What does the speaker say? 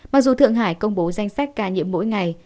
mặc dù thượng hải công bố danh sách ca nhiễm mỗi ngày